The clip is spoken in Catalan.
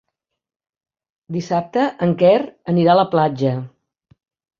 Dissabte en Quer anirà a la platja.